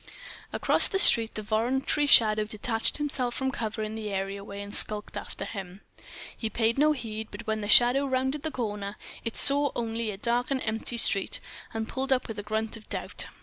Across the street the voluntary shadow detached itself from cover in the areaway, and skulked after him. He paid no heed. But when the shadow rounded the corner, it saw only a dark and empty street, and pulled up with a grunt of doubt.